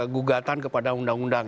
gugatan kepada undang undang